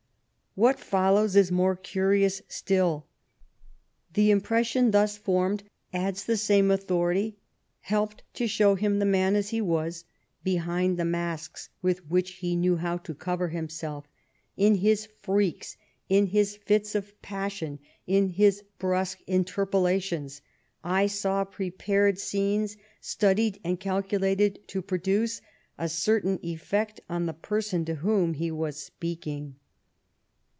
What follows is more curious still. The impression thus formed, adds the same authority, helped to show him the man as he was, " behind the masks with which be knew how to cover himself In his freaks, in his fits of passion, in his brusque interpellations, I saw prepared scenes, studied and calculated to produce a certain effect on the person to whom he was speaking."